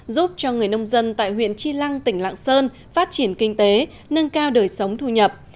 giúp cho người nông dân tại huyện chi lăng tỉnh lạng sơn phát triển kinh tế nâng cao đời sống thu nhập